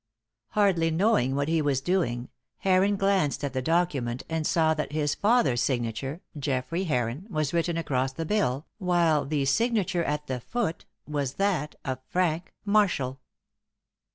Hardly knowing what he was doing Heron glanced at the document and saw that his father's signature Geoffrey Heron was written across the bill, while the signature at the foot was that of Frank Marshall.